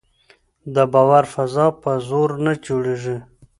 د باور فضا په زور نه جوړېږي